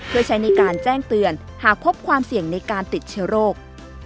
เพื่อใช้ในการแจ้งเตือนหากพบความเสี่ยงในการติดเชื้อโรค